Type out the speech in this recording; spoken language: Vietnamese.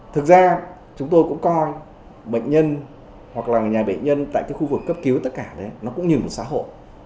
thực ra chúng tôi cũng coi bệnh nhân hoặc là người nhà bệnh nhân tại cái khu vực cấp cứu tất cả đấy nó cũng như một xã hội